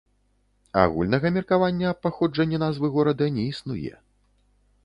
Агульнага меркавання аб паходжанні назвы горада не існуе.